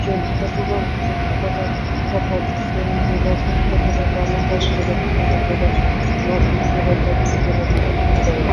ট্রেনটি চট্টগ্রাম থেকে ঢাকা যাত্রাপথে ফেনী জেলা, কুমিল্লা জেলা, ব্রাহ্মণবাড়িয়া জেলা, কিশোরগঞ্জ জেলা, নরসিংদী জেলা ও গাজীপুর জেলাকে সংযুক্ত করে।